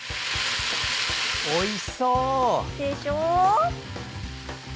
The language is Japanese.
おいしそう！でしょ？